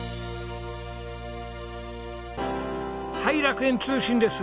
はい楽園通信です。